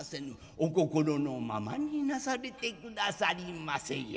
お心のままになされてくださりませじゃ。